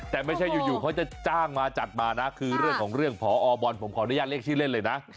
แต่ไม่ใช่อยู่เขาจะจ้างมาจัดมานะคือเรื่องของเรื่องพอบอลผมขออนุญาตเรียกชื่อเล่นเลยนะ